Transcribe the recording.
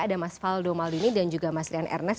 ada mas valdo maldini dan juga mas lian ernest